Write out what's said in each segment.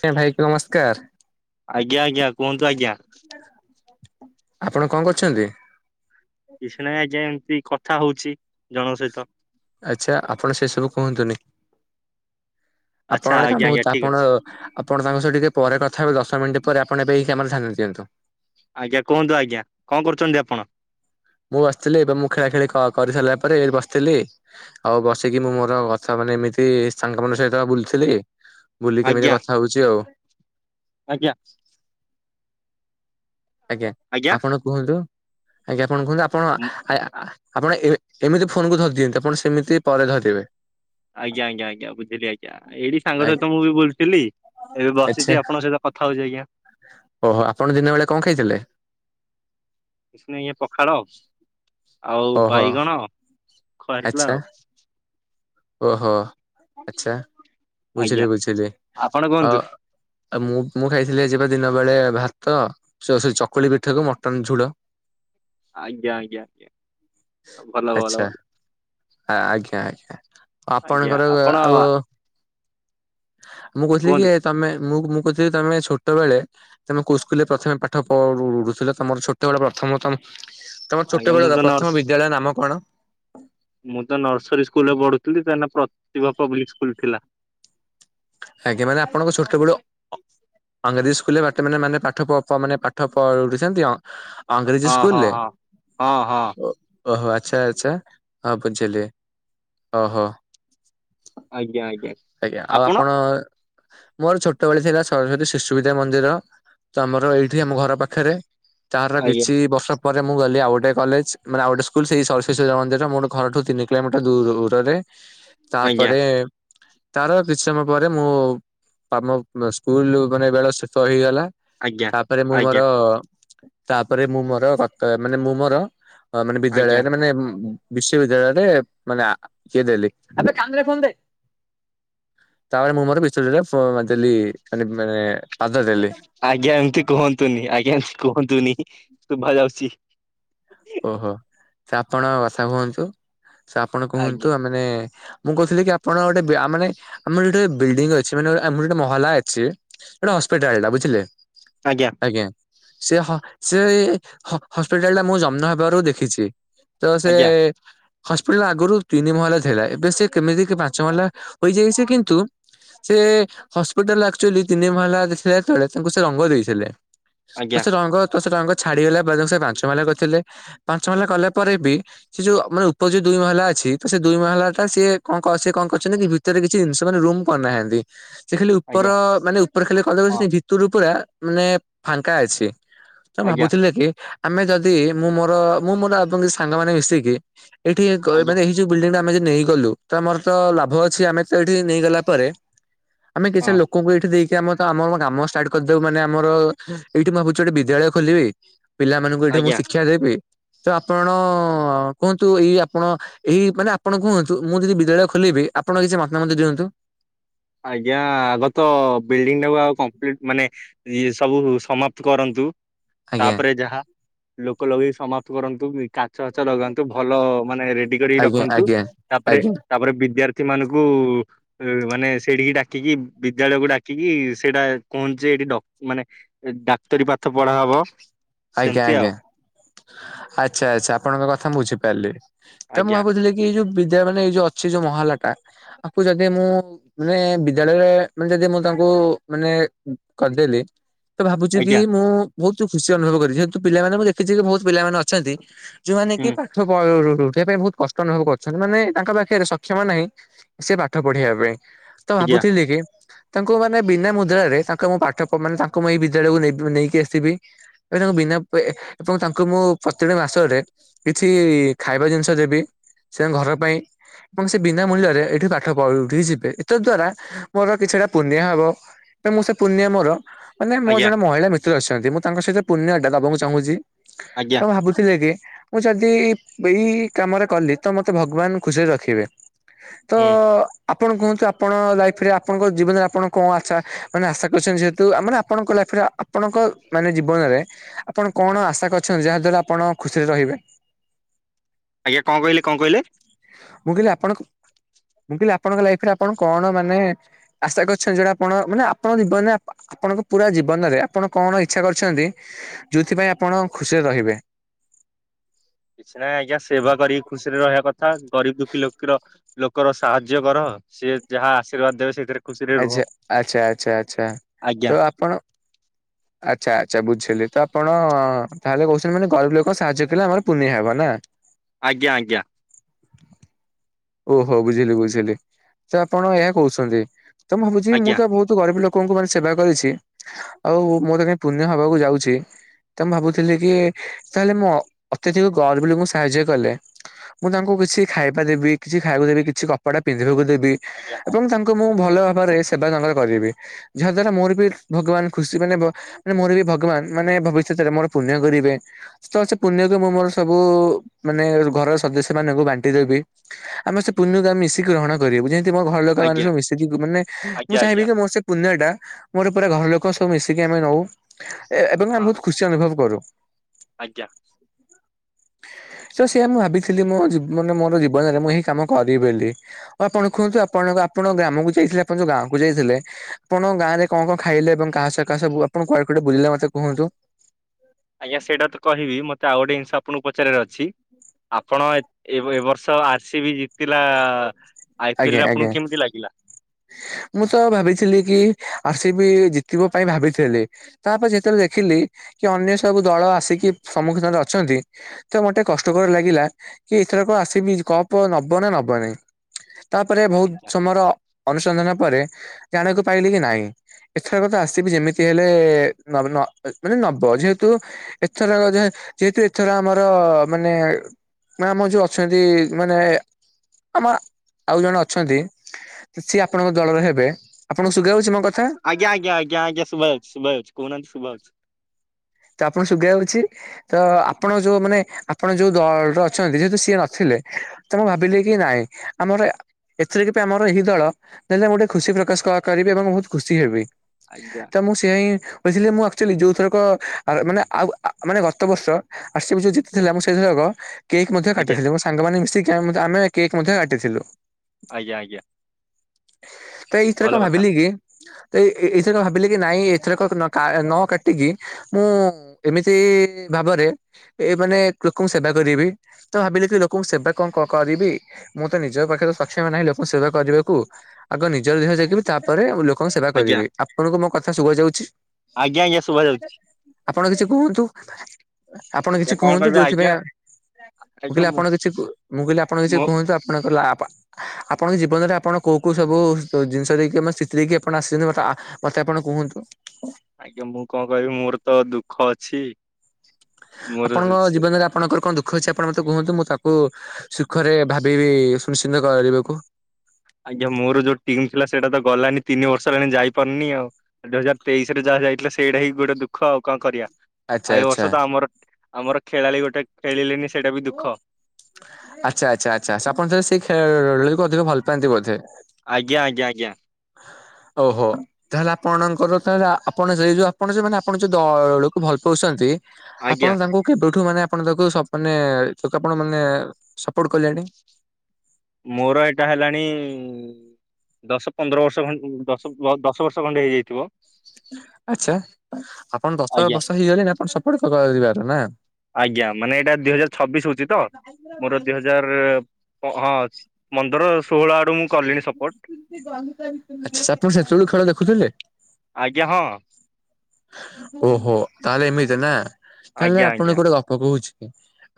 ସେ ଭାଇ କ ଆଜ୍ଞା ଆଜ୍ଞା କୁହନ୍ତୁ ଆଜ୍ଞା ନମସ୍କାର। ଆପଣ କଣ କରୁଛନ୍ତି? କିଛି ନାଇଁ ଆଜ୍ଞା ଏମିତି କଥା ହଉଛି ଜଣଙ୍କ ସହିତ। ଆଚ୍ଛା ଆପଣ ସେ ସବୁ କୁହନ୍ତୁ ନି। ଆପଣ ଆଚ୍ଛା ଗୋଟେ ଆଜ୍ଞା କାମ ଆଜ୍ଞା କରନ୍ତୁ ଠିକ୍ ଆପଣ ଅଛି ଆପଣ ତାଙ୍କ ସହ ଟିକେ ପରେ କଥା ହେବେ ଦଶ ମିନିଟ୍ ପରେ ଆପଣ ଏବେ ଏହି କାମ ଧ୍ୟାନ ଦିଅନ୍ତୁ। ଆଜ୍ଞା କୁହନ୍ତୁ ଆଜ୍ଞା। କଣ କରୁଛନ୍ତି ଆପଣ? ମୁଁ ବସିଥିଲି ଏବେ ମୁଁ ଖେଳା ଖେଳି କରି ସାରିଲା ପରେ ଏଠି ବସିଥିଲି। ଆଉ ବସିକି ମୁଁ ମୋର କଥା ମାନେ ଏମିତି ସାଙ୍ଗ ମାନଙ୍କ ସହିତ ବୁଲଥିଲି ବୁଲିକ ଏମିତି ଆଜ୍ଞା କଥା ହଉଛି ଆଉ। ଆଜ୍ଞା। ଆଜ୍ଞା ଆପଣ କୁହନ୍ତୁ ଆଜ୍ଞା ଆପଣ କୁହନ୍ତୁ ମୁଁ- ଆପଣ ଆପଣ ଏମିତି ଫୋନ କୁ ଧରି ଦିଅନ୍ନ୍ତି ଆପଣ ସେମିତି ପରେ ଧରିିବେ। ଆଜ୍ଞା ଆଜ୍ଞା ଆଜ୍ଞା ବୁଝିଲି ଆଜ୍ଞା ଏଇଠି ସାଙ୍ଗ ଆଜ୍ଞା ସହିତ ମୁଁ ବି ବୁଲଥିଲି ଏବେ ଆଚ୍ଛା ବସିଛି ଆପଙ୍କ ସହିତ କଥା ହଉଛି ଆଜ୍ଞା। ଓହୋ ଆପଣ ଦିନବେଳେ କଣ ଖାଇଥିଲେ? କିଛି ନାଇଁ ଇଏ ପଖାଳ ଆଉ ଓହୋ ବାଇଗଣ ଖୁଆ ହେଇଥିଲା ଆଚ୍ଛା ଆଉ। ଓହୋ ଆଚ୍ଛା ଆଜ୍ଞା ବୁଝିଲି ବୁଝିଲି ଆପଣ ଆ କୁହନ୍ତୁ ଆଉ ମୁଁ ମୁଁ ଖାଇଥିଲି ଆଜି ପା ଦିନ ବେଳେ ଭାତ, ସରି ସରି ଚକୁଳି ପିଠାକୁ ମଟନ ଝୁଳ। ଆଜ୍ଞା ଆଜ୍ଞା ଆଜ୍ଞା ଭଲ ଆଚ୍ଛା ଭଲ ଭଲ! ଆଜ୍ଞା ଆଜ୍ଞା। ଆପଣ ଆଜ୍ଞା ଙ୍କର ଆପଣ ଆଉ ମୁଁ କହୁଥିଲି କୁହନ୍ତୁ କି ତମେ ମୁଁ ମୁଁ କହୁଥିଲି କି ତମେ ଛୋଟ ବେଳେ ତମେ କୋଉ ସ୍କୁଲ ରେ ପ୍ରଥମେ ପାଠ ପଢୁଥିଲ ତମର ଛୋଟବେଳ ପ୍ରଥମ ତମ ତମର ଆଜ୍ଞା ଛୋଟ ମୁଁ ତ ବେଳର ନର୍ସ ପ୍ରଥମ ବିଦ୍ୟାଳୟ ନାମ କଣ? ମୁଁ ତ ନର୍ସରୀ ସ୍କୁଲରେ ପଢୁଥିଲି ତା ନା ପ୍ରତିଭା ପବ୍ଲିକ ସ୍କୁଲ ଥିଲା। ଆଜ୍ଞା ମାନେ ଆପଣଙ୍କ ଛୋଟବେଳୁ ଅଂରାଜୀ ସ୍କୁଲରେ ବାଟେ ମାନେ ମାନେ ପାଠ ପ ମାନେ ପାଠ ପଢୁଛନ୍ତି? ହଁ ଆଂଗ୍ରେଜୀ ହଁ ସ୍କୁଲରେ? ହଁ ହଁ ହଁ ଓହୋ ଆଚ୍ଛା ଆଚ୍ଛା ହଁ ବୁଝିଲି ଓହୋ। ଆଜ୍ଞା ଆଜ୍ଞା! ଆପଣ? ହ ମୋର ଛୋଟବେଳେ ଥିଲା ସରସ୍ଵତୀ ଶିଶୁ ବିଦ୍ୟା ମନ୍ଦିର। ତ ଆମର ଏଇଠି ଆମ ଘର ପାଖରେ ତାର ଆଜ୍ଞା କିଛି ବର୍ଷ ପରେ ମୁଁ ଗଲି ଆଉ ଗୋଟେ କଲେଜ ମାନେ ଆଉ ଗୋଟେ ସ୍କୁଲ ସେଇ ସରସ୍ଵତି ଶିଶୁ ମନ୍ଦିର ମୋର ଘରଠୁ ତିନି କିଲୋମିଟର ଦୂରରେ। ଆଜ୍ଞା ତାପରେ ତାର କିଛି ସମୟ ପରେ ମୁଁ ସ୍କୁଲ ମାନେ ବେଳ ଶେଷ ହେଇଗଲା। ଆଜ୍ଞା ଆଜ୍ଞା ତାପରେ ମୁଁ ମୋର ତାପରେ ମୁଁ ମୋର ଗପେ ମାନେ ମୁଁ ମୋର ମାନେ ଆଜ୍ଞା ବିଦ୍ୟାଳୟରେ ମାନେ ବିଶ୍ୱବିଦ୍ୟାଳୟରେ ମାନେ ଇଏ ଦେଲି। ତାପ ରେ ମୁଁ ମୋର ବିଶ୍ୱ ବିଦ୍ୟାଳୟରେ ଦେଲି ମାନେ ପାଦ ଦେଲି। ଆଜ୍ଞା ଏମିତି କୁହନ୍ତୁନି ଆଜ୍ଞା ଏମିତି କୁହନ୍ତୁ ନି ଶୁଭା ଯାଉଛି। ଓହୋ ସେ ଆପଣ କଥା କୁହନ୍ତୁ ସେ ଆପଣ ଆଜ୍ଞା କୁହନ୍ତୁ ଆ ମାନେ ମୁଁ କହୁଥିଲି କି ଆପଣ ଗୋଟେ ମାନେ ଆମର ଗୋଟେ ବିଲଡିଂ ଅଛି ମାନେ ଆମର ଗୋଟେ ମହଲା ଅଛି। ଏଇଟା ହସ୍ପିଟାଲଟା ବୁଝିଲେ? ଆଜ୍ଞା! ଆଜ୍ଞା ସେ ହ ସେ ହସ୍ପିଟାଲ ଟା ମୁଁ ଜନ୍ମ ହେବାରୁ ଦେଖିଛି। ତ ସେ ଆଜ୍ଞା ହସ୍ପିଟାଲ ଆଗରୁ ତିନି ମହଲା ଥିଲା ଏବେ ସେ କେମିତି କି ପାଞ୍ଚ ମହଲା କରି ଯାଇଚି କିନ୍ତୁ ସେ ହସ୍ପିଟାଲ ଆକ୍ଚୁଆଲି ତିନି ମହଲା ଥିଲା ଯେତେବେଳେ ତାଙ୍କୁ ସେ ରଙ୍ଗ ଦେଇଥିଲେ। ତ ଆଜ୍ଞା ସେ ରଙ୍ଗ ତ ସେ ରଙ୍ଗ ଛାଡିଗଲା ବେଳକୁ ସେ ପାଞ୍ଚମହଲା କରିଥିଲେ ପାଞ୍ଚମହଲା କଲାପରେବି ସେଯୋଉ ମାନେ ଉପରେଯୋଉ ଦୁଇମହଲା ଅଛି ତ ସେ ଦୁଇମହଲା ଟା ସିଏ କଣ କଣ ସେ କଣ କରିଛନ୍ତି କି ଭି ସେଥିରେ କିଛି ଜିନିଷ ମାନେ ରୁମ୍ କରିନାହାନ୍ତି। ସେ ଖାଲି ଉପର ଆଜ୍ଞା ମାନେ ଉପରେ ଖାଲି କଲର ହଉଚି ହଁ ସେଇ ଭିତରୁ ପୁରା ମାନେ ଫାଙ୍କା ଅଛି। ଆଜ୍ଞା ଭାବୁଥିଲେ କି ଆମେ ଯଦି ମୁଁ ମୋର ମୁଁ ମୋର ଆପଣଙ୍କ ସାଙ୍ଗମାନେ ମିଶିକି ଏଇଠି କ ଆଜ୍ଞା ମାନେ ଏଇଯୋଉ ବିଲଡିଙ୍ଗଟା ଆମେ ଯଦି ନେଇଗଲୁ ତ ଆମର ତ ଲାଭ ଅଛି ଆମେ ତ ଏଇଠି ନେଇଗଲା ପରେ ଆମେ କିଛି ହଁ ଲୋକଙ୍କୁ ଏଇଠି ଦେଇକି ଏଠି ଆମ ତ ଆମ କାମ ଷ୍ଟାର୍ଟ କରିଦେବୁ ମାନେ ଆମର ଏଇଠି ମୁଁ ଭାବୁଛି ଗୋଟେ ବିଦ୍ୟାଳୟ ଖୋଲିବି। ପିଲାମାନଙ୍କୁ ଏଇଠି ମୁଁ ଆଜ୍ଞା ଶିକ୍ଷା ଦେବି ତ ଆପଣ କୁହନ୍ତୁ ଏଇ ଆପଣ ଏଇ ମାନେ ଆପଣ କୁହନ୍ତୁ ମୁଁ ଯଦି ବିଦ୍ୟାଳୟ ଖୋଲିବି ଆପଣ କିଛି ମତାମତ ଦିଅନ୍ତୁ। ଆଜ୍ଞା ଆଗ ତ ବିଲ୍ଡିଂ ଟାକୁ ଆଉ କମ୍ପ୍ଲିଟ ମାନେ ଇଏ ସବୁ ସମାପ୍ତ କରନ୍ତୁ। ଆଜ୍ଞା ତାପରେ ଯାହା ଲୋକ ଲଗେଇ ସମାପ୍ତ କରନ୍ତୁ କା ଗଛ ଛ ଲଗାନ୍ତୁ ଭଲ ମାନେ ରେଡି କରିକି ଆଜ୍ଞା ରଖନ୍ତୁ ଆଜ୍ଞା। ତାପରେ ଆଜ୍ଞା ତାପରେ ବିଦ୍ୟାର୍ଥୀ ମାନଙ୍କୁ ମାନେ ଏଇଠିକି ଡାକିକି ବିଦ୍ୟାଳୟକୁ ଡାକିକି ସେଇଟା କୁହନ୍ତୁ ଯେ ଏଇଠି ଡ ମାନେ ଏ ଡାକ୍ତରୀ ପାଠ ପଢା ହବ। ଆଜ୍ଞା ସେମିତି ଆଜ୍ଞା ଆଉ ଆଚ୍ଛା ଆଚ୍ଛା ଆପଣଙ୍କ କଥା ମୁଁ ବୁଝିପାରିଲି ତ ମୁଁ ଆଜ୍ଞା ଭାବୁଥିଲି ଏଇ ଯୋଉ ବିଦ୍ୟା ମାନେ ଏଇ ଯୋଉ ଅଛି ଯୋଉ ମହାଲାଟା ଆକୁ ଯଦି ମୁଁ ମାନେ ବିଦ୍ୟାଳୟରେ ମାନେ ଯଦି ମୁଁ ତାଙ୍କୁ ମାନେ କରିଦେଲି ତ ଭାବୁଚି କି ଆଜ୍ଞା ମୁଁ ବୋହୁତୁ ଖୁସି ଅନୁଭବ କରିବି ଯେହେତୁ ପିଲାମାନଙ୍କୁ ଦେଖିଛି କି ବୋହୁତୁ ପିଲାମାନେ ଅଛନ୍ତି ଯୋଉମାନେ କି ହୁଁ ପାଠ [unintelligible] ୟା ପାଇଁ ବୋହୁତୁ କଷ୍ଟ ଅନୁଭବ କରିଛନ୍ତି ମାନେ ତାଙ୍କ ପାଖରେ ସକ୍ଷମ ନାହିଁ ସେ ପାଠ ପଢେଇବା ପାଇଁ। ତ ଆଜ୍ଞା ଭାବୁଥିଲି କି ତାଙ୍କୁ ମାନେ ବିନା ମୁଦ୍ରାରେ ତାଙ୍କ ମୁଁ ପାଠ ମାନେ ତାଙ୍କୁ ମୁଁ ଏଇ ବିଦ୍ୟାଳୟକୁ ନେବି ନେଇକି ଆସିବି। ଏବେ ତାଙ୍କୁ ବିନା ପ ଏବଂ ତାଙ୍କୁ ମୁଁ ପ୍ରତିଟି ମାସରେ କିଛି ଖାଇବା ଜିନିଷ ଦେବି ସେ ଘର ପାଇଁ ଏବଂ ସେ ବିନା ମୂଲ୍ୟରେ ଏଇଠି ପାଠ ପଢି଼ଉଠିକି ଯିବେ ଏତତ୍ ଦ୍ଵାରା ମୋର କିଛିଟା ପୁଣ୍ୟହବ। [unintelligible] ମୁଁ ସେ ପୁଣ୍ୟ ମୋର ମାନେ ମୋର ଆଜ୍ଞା ଜଣେ ମହିଳା ମିତ୍ର ଅଛନ୍ତି ମୁଁ ତାଙ୍କ ସହିତ ପୁଣ୍ୟଟା ଦବାକୁ ଚାହୁଁଛି। ତ ଆଜ୍ଞା ଭାବୁଥିଲି କି ମୁଁ ଯଦି ଏଇ କାମରେ କଲି ତ ମୋତେ ଭଗବାନ ଖୁସିରେ ରଖିବେ। ତ ହୁଁ ଆପଣ କୁହନ୍ତୁ ଆପଣ ଲାଇଫରେ ଆପଣଙ୍କ ଜୀବନରେ ଆପଣ କଣ ଆଶା ମାନେ ଆଶା କରିଛନ୍ତି ଯେହେତୁ ଆ ମାନେ ଆପଣଙ୍କ ଲାଇଫରେ ଆପଣଙ୍କ ମାନେ ଜୀବନରେ ଆପଣ କଣ ଆଶା କରିଛନ୍ତି ଯାହା ଦ୍ଵାରା ଆପଣ ଖୁସିରେ ରହିବେ। ଆଜ୍ଞା କଣ କହିଲେ କଣ କହିଲେ? ମୁଁ କହିଲି ଆପଣ ମୁଁ କହିଲି ଆପଣଙ୍କ ଲାଇଫରେ ଆପଣ କଣ ମାନେ ଆଶା କରିଛନ୍ତି ଯୋଉଟା ଆପଣ ମାନେ ଆପଣ ଜୀବନରେ ଆପ ଆପଣଙ୍କ ପୁରା ଜୀବନରେ ଆପଣ କଣ ଇଚ୍ଛା କରିଛନ୍ତି ଯେଉଁଥିପାଇଁ ଆପଣ ଖୁସିରେ ରହିବେ। କିଛି ନାହିଁ ଆଜ୍ଞା ସେବା କରିକି ଖୁସିରେ ରହିବା କଥା ଗରିବି ଦୁଖୀ ଲୋକୀର ଲୋକର ସାହାଯ୍ୟ କର ସିଏ ଯାହା ଆଶୀର୍ବାଦ ଦେବେ ସେଇଥିରେ ଖୁସିରେ ରୁହ। ଆଚ୍ଛା ଆଚ୍ଛା ଆଚ୍ଛା ଆଚ୍ଛା ଆଜ୍ଞା ତ ଆପଣ ଆଚ୍ଛା ଆଚ୍ଛା ବୁଝିଲି ତ ଆପଣ ତାହେଲେ କହୁଛନ୍ତି ମାନେ ଗରିବି ଲୋକ ସାହାଯ୍ୟ କଲେ ଆମର ପୁଣ୍ୟ ହବ ନା। ଆଜ୍ଞା ଆଜ୍ଞା। ଓହୋ ବୁଝିଲି ବୁଝିଲି ତ ଆପଣ ଏହା କହୁଛନ୍ତି ତ ମୁଁ ଭାବୁଛି ମୁଁ ଆଜ୍ଞା ତ ବୋହୁତୁ ମୁଁ ତ ଗରିବି ଲୋକଙ୍କୁ ମାନେ ସେବା କରିଛି ଆଉ ମୋର ତ କାଇଁ ପୁଣ୍ୟ ହବାକୁ ଯାଉଛି। ତ ମୁଁ ଭାବୁଥିଲି କି ତାହେଲେ ମୁଁ ଅତ୍ୟଧିକ ଗର୍ବୀ ଲୋକଙ୍କୁ ସାହାଯ୍ୟ କଲେ ମୁଁ ତାଙ୍କୁ କିଛି ଖାଇବା ଦେବି କିଛି ଖାଇବାକୁ ଦେବି କିଛି କପଡା ପିନ୍ଧିବାକୁ ଦେବି ଆଜ୍ଞା ହଁ ଏବଂ ତା ତାଙ୍କୁ ମୁଁ ଭଲ ଭାବରେ ସେବା ତାଙ୍କର କରିବି ଯାହା ଦ୍ଵାରା ମୋର ବି ଭଗବାନ ଖୁସି ମାନେ ମାନେ ମୋର ବି ଭଗବାନ ମାନେ ଭବିଷ୍ୟତରେ ମୋର ପୁଣ୍ୟ କରିବେ ତ ସେ ପୁଣ୍ୟକୁ ମୁଁ ମୋର ସବୁ ମାନେ ଘରର ସଦସ୍ୟ ମାନଙ୍କୁ ବାଣ୍ଟିଦେବି ଆମେ ସେ ପୂର୍ଣ୍ଣତା ମିଶିକି ଗ୍ରହଣ କରିବୁ ଯେ ମୋ ଘର ଲୋକ ମାନେ ଆଜ୍ଞା। ସବୁ ମିଶିକି ମାନେ ମୁଁ ଆଜ୍ଞା ଚାହିଁବି ଆଜ୍ଞା କି ମୋ ସେ ପୁଣ୍ୟ ଟା ମୋର ପୁରା ଘର ଲୋକ ସବୁ ମିଶିକି ଆମେ ନୋଉ ଏବଂ ଆମେ ହଁ ବହୁତ ଖୁସି ଅନୁଭବ କରୁ ଆଜ୍ଞା। ତ ସେୟା ମୁଁ ଭାବିଥିଲି ମୋ ମାନେ ମୋର ମାନେ ମୁଁ ଏହି କାମ କରିବି ବୋଲି ଓ ଆପଣ କୁହନ୍ତୁ ଆପଣ ଆପଣ ଗ୍ରାମ କୁ ଯାଇଥିଲେ ଆପଣ ଯୋଉ ଗାଁ କୁ ଯାଇଥିଲେ ଆପଣ ଗାଁରେ କଣ କଣ ଖାଇଲେଏବଂ କାହା ସହ କାହା ସହ ସବୁ ଆପଣ କୁଆଡେ କୁଆଡେ ବୁଲିଲେ ମତେ କୁହନ୍ତୁ? ଆଜ୍ଞା ସେଇଟା ତ କହିବି ମତେ ଆଉ ଗୋଟେ ଜିନିଷ ଆପଣଙ୍କୁ ପଚାରିବାର ଅଛି? ଆପଣ ଏ ଏ ବର୍ଷ ଆର ସି ବି ଜିତିଲା ଆଇ ଆଜ୍ଞା ପିଏଲ ରେ ଆଜ୍ଞା। ଆପଣଙ୍କୁ କେମିତି ଲାଗିଲା? ମୁଁ ତ ଭାବିଥିଲି କି ଆର୍ ସି ବି ଜିତିବ ପାଇଁ ଭାବିଥିଲି ତାପରେ ଯେତେବେଳେ ଦେଖିଲି କି ଅନ୍ୟ ସବୁ ଦଳ ଆସିକି ସମ୍ମୁଖୀନ ରେ ଅଛନ୍ତି ତ ମୋତେ କଷ୍ଟକର ଲାଗିଲା କି ଏଥରକ ଆସିବି କପ ନବ ନା ନବ ନାହିଁ ତାପରେ ବହୁତ ଆଜ୍ଞା ସମୟର ଅନୁସନ୍ଧାନ ପରେ ଜାଣିବାକୁ ପାଇଲି କି ନାହିଁ ଏଥରକ ତ ଆର ସିବି ଯେମିତି ହେଲେ ନ ମାନେ ନବ ଯେହେତୁ ଏଥର ଯ ଯେହେତୁ ଏଥର ଆମର ମାନେ ମା ଆମର ଯୋଉ ଅଛନ୍ତି ମାନେ ଆମ ଆଉ ଜଣେ ଅଛନ୍ତି ସିଏ ଆପଣଙ୍କ ଦଳରେ ହେବେ ଆପଣଙ୍କୁ ସୁୁାଭଜାଉଛି ମୋ କ ଆଜ୍ଞା ଆଜ୍ଞା ଆଜ୍ଞା ଆଜ୍ଞା ଶୁଭା ଯାଉଛି ଶୁଭା ଯାଉଛି କହୁନାହାନ୍ତି ଶୁଭା ଯାଉଛି। ତ ଆପଣ ଶୁଗା ଯାଉଛି। ତ ଆପଣ ଯୋଉ ମାନେ ଆପଣ ଯୋଉ ଦଳରେ ଅଛନ୍ତି ଯେହେତୁ ସିଏ ନଥିଲେ ତ ମୁଁ ଭାବିଲି କି ନାଇଁ ଆମର ଏଥିରେ କି ବି ଆମର ଏହି ଦଳ ନହେଲେ ମୁଁ ଗୋଟେ ଖୁସି ପ୍ରକାଶ କରିବି ଏବଂ ବହୁତ ଖୁସି ହେବି ଆଜ୍ଞା ତ ମୁଁ ସେୟା ହିଁ ବୁଝିଲି ମୁଁ ଆକ୍ଚୁଆଲି ଯୋଉ ଥରକ ଆ ମାନେ ଆଉ ମାନେ ଗତ ବର୍ଷ ଆର‌ ସି ବି ଯୋଉ ଜିତିଥିଲା ମୁଁ ସେଇ ଥରକ କେକ୍ ମଧ୍ୟ ଆଜ୍ଞା କାଟିଥିଲି ମେ ସାଙ୍ଗମାନେ ମିଶିକି ଆମେ କେକ୍ ମଧ୍ୟ କାଟିଥିଲୁ ଆଜ୍ଞା ଆଜ୍ଞା। ତ ଏଇଥରେ ଭଲ କ କଥା ଭାବିଲି କି ତ ଏଇଥର କ ଭାବିଲେ କି ନାଇଁ ଏଥରକ ନ କାଟିକି ମୁଁ ଏମିତି ଭାବରେ ଏ ମାନେ ଲୋକଙ୍କୁ ସେବା କରିବି ତ ଭାବିଲି କି ଲୋକଙ୍କୁ ସେବା କଣ କରିବି ମୁଁ ତ ନିଜ ପାଖରେ ସକ୍ଷମ ନାହିଁ ଲୋକଙ୍କୁ ସେବା କରିବାକୁ ଆଗ ନିଜର ଦେହ ଦେଖିବି ତାପରେ ଲୋକଙ୍କ ସେବା ଆଜ୍ଞା କରିବି। ଆପଣଙ୍କୁ ମୋ କଥା ଶୁଗା ଯାଉଛି? ଆଜ୍ଞା ଆଜ୍ଞା ଶୁଭା ଯାଉଛି। ଆପଣ କିଛି କୁହନ୍ତୁ ଆପଣ ଆଜ୍ଞା କିଛି କଣ କୁହନ୍ତୁ କହିବି ଆଜ୍ଞା ଯୋଉଥିପାଇଁ ମୁଁ କହିଲି ଆପଣ କିଛି କୁ ମୁଁ କହିଲି ଆପଣ କିଛି ମୁଁ କୁହନ୍ତୁ ଆପଣଙ୍କ ଲା ପା ଆପଣଙ୍କ ଜୀବନରେ ଆପଣ କୋଉ କୋଉ ସବୁ ଜିନିଷ ଦେଇକି ଏବଂ ସ୍ଥିତି ଦେଇକି ଆପଣ ଆସିଛନ୍ତି ମତେ ମତେ ଆପଣ କୁହନ୍ତୁ? ଆଜ୍ଞା ମୁଁ କଣ କହିବି ମୋର ତ ଦୁଃଖ ଅଛି ଆପଣଙ୍କ ମୋର ଜୀବନରେ ଆପଣଙ୍କର କଣ ଦୁଃ ଖ ଅଛି ଆପଣ ମତେ କୁହନ୍ତୁ ମୁଁ ତାକୁ ସୁଖରେ ଭାବିବି ସୁନିଶ୍ଚିନ୍ତ କରିବାକୁ ଆଜ୍ଞା ମୋର ଯୋଉ ଟିମ୍ ଥିଲା ସେଇଟା ତ ଗଲାନି ତିନି ବର୍ଷ ହେଲାଣି ଯାଇପାରୁନି ଆଉ ଦୁଇ ହଜାର ତେଇଶରେ ଯାହା ଯାଇଥିଲା ସେଇଟା ହି ଗୋଟେ ଦୁଃଖ ଆଉ କଣ କରିବା। ଆଚ୍ଛା ଆଉ ଏ ଆଚ୍ଛା ବର୍ଷ ତ ଆମର ଆମର ଖେଳାଳି ଗୋଟେ ଖେଳିଲେନି ସେଇଟା ବି ଦୁଃଖ। ଆଚ୍ଛା ଆଚ୍ଛା ଆଚ୍ଛା ଆପଣ ଜ ସେଇ ଖେଳକୁ ଅଧିକ ଭଲ ପାଆନ୍ତି ବୋଧେ? ଆଜ୍ଞ ଆଜ୍ଞା ଆଜ୍ଞା। ଓହୋ। ତାହେଲେ ଆପଣଙ୍କର ତାହେଲେ ଆପଣ ସେଇ ଯୋଉଁ ଆପଣ ସେମାନେ ଆପଣ ଯୋଉ ଦଳକୁ ଭଲ ପାଉଛନ୍ତି ଆପଣ ଆଜ୍ଞା। ତାଙ୍କୁ କେବେଠୁ ମାନେ ଆପଣ ତାକୁ ସପ ମାନେ ତାକୁ ଆପଣ ମାନେ ସପୋର୍ଟ କଲେଣି? ମୋର ଏଇଟା ହେଲାଣି ଦଶ ପନ୍ଦର ବର୍ଷ ଖଣ୍ଡ ଦଶ ଦଶ ବର୍ଷ ଖଣ୍ଡେ ହେଇଯାଇଥିବ। ଆଚ୍ଛା ଆପଣ ଦଶ ଆଜ୍ଞା ବର୍ଷ ହେଇଗଲେଣି ଆପଣ ସପୋର୍ଟ କରିବାର ନା? ଆଜ୍ଞା ମାନେ ଏଇଟା ଦିଇ ହଜାର ଛବିଶ ହଉଛି ତ ମୋର ଦି ହଜାର ହେ ହଁ ପନ୍ଦର ଷୋହଳ ଆଡୁ ମୁଁ କଲିଣି ସପୋର୍ଟ। ଆଛା ଆପଣ ସେତେବେଳୁ ଖେଳ ଦେଖୁଥିଲେ? ଆଜ୍ଞା ହଁ। ଓହୋ ତାହେଲେ ଏମିତି ନା, ତାହେଲେ ଆଜ୍ଞା ଆପଣଙ୍କୁ ଆଜ୍ଞା ଗୋଟେ ଗପ କହୁଛି।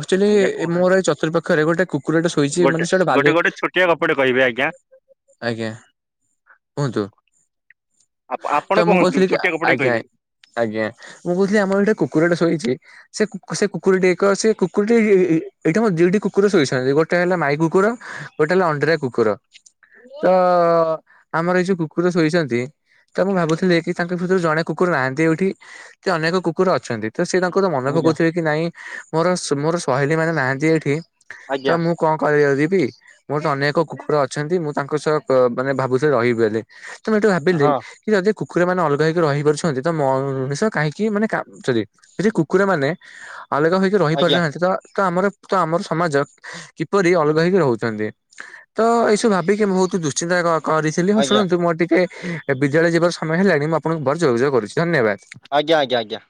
ଆକ୍ଚୁଆଲି ଆଜ୍ଞା ଏଇ କଣ ମୋର ଚତୁର୍ପକ୍ଷରେ ଗୋଟେ କୁ କୁକୁରଟା ଶୋଇଛି, ଗୋଟେ ମାନେ ସେଟା ଗୋଟେ ବାଲେ ଗୋଟେ ଛୋଟିଆ ଗପଟେ କହିବେ ଆଜ୍ଞା ଆଜ୍ଞା କୁହନ୍ତୁ, ଆପ ଆପଣ ତ ମୁଁ କୁହନ୍ତୁ କହୁଥିଲି କି ଛୋଟିଆ ଗପଟେ ଆଜ୍ଞା କହିବେ। ଆଜ୍ଞା ମୁଁ କହୁଥିଲି ଆମର ଗୋଟେ କୁକୁରଟେ ଶୋଇଛି। ସେ କୁକ ସେ କୁକୁରଟି ଏକ ସେ କୁକୁରଟି ଏଇଟି ଆମର ଦିଟି କୁକୁର ଶୋଇଛନ୍ତି, ଗୋଟେ ହେଲା ମାଇ କୁକୁର ଗୋଟେ ହେଲା ଅଣ୍ଡିରା କୁକୁର। ତ ଆମର ଏଇ ଯୋଉ କୁକୁର ଶୋଇଛନ୍ତି ତ ମୁଁ ଭାବୁଥିଲି କି ତାଙ୍କ ଭିତରୁ ଜଣେ କୁ କୁର ନାହାନ୍ତି ଏଇଠି, ସେ ଅନେକ କୁକୁର ଅଛନ୍ତି ତ ସେ ତାଙ୍କୁ ତ ମନେ ଆଜ୍ଞା ପକଉଥିବେ। ନାଇଁ ମୋର ସ ମୋର ସହେଲୀ ମାନେ ନାହାନ୍ତି ଏଠି ତ ଆଜ୍ଞା ମୁଁ କଣ କରିିବାକୁ ଯିବି, ମୋର ତ ଅନେକ କୁକୁର ଅଛନ୍ତି ମୁଁ ତାଙ୍କ ସହ କ ମାନେ ଭାବୁଥିଲି ରହିବି ବେଲି। ତ ମୁଁ ହେଠୁ ଭାବିଲି ହଁ କି ଯଦି କୁକୁର ମାନ ଅଲଗା ହେଇକି ରହିପାରୁଛ ନ୍ତି ତ ମଣିଷ କାହିଁକି ମାନେ କା ସରି ଯଦି କୁକୁର ମାନେ ଅଲଗା ହୋଇ ଆଜ୍ଞା ରହିପାରିନାହାନ୍ତି ତ ତ ଆମର ତ ଆମର ସମାଜ କିପରି ଅଲଗା ହେଇକି ରହୁଛନ୍ତି। ତ ଏଇସବୁ ଭାବିକି ବହୁତ ଦୁଶ୍ଚିନ୍ତା କ କରିଥିଲି ହଁ ଆଜ୍ଞା ଶୁଣନ୍ତୁ ମୋର ଟିକେ ବିଦ୍ୟାଳୟ ଯିବାର ସମୟ ହେଲାଣି, ମୁଁ ଆପଣଙ୍କୁ ଭର ଯୋଗାଯୋଗ କରୁଛି ଧନ୍ୟବାଦ। ଆଜ୍ଞା ଆଜ୍ଞା ଆଜ୍ଞା।